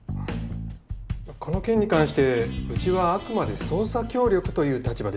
この件に関してうちはあくまで捜査協力という立場でして。